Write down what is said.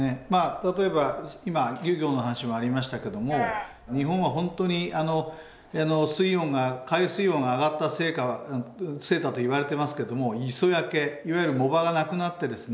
例えば今漁業の話もありましたけども日本は本当に水温が海水温が上がったせいだといわれてますけども磯焼けいわゆる藻場がなくなってですね